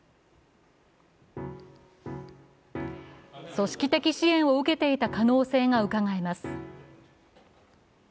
組織的支援を受けていた可能性がうかがえます。